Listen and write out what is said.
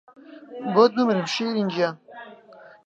بۆت بمرم شیرین گیان